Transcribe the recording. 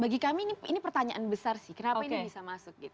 bagi kami ini pertanyaan besar sih kenapa ini bisa masuk